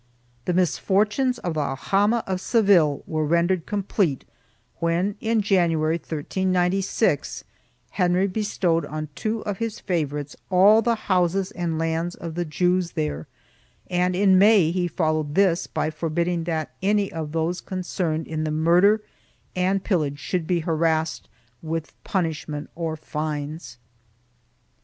The misfortunes of the aljama of Seville were rendered complete when, in January, 1396, Henry bestowed on two of his favorites all the houses and lands of the Jews there and in May he followed this by forbidding that any of those concerned in the murder and pillage should be harassed with punishment or fines.